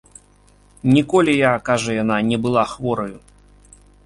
Ніколі я, кажа яна, не была хвораю.